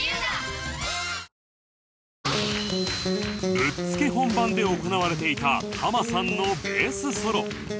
ぶっつけ本番で行われていたハマさんのベースソロ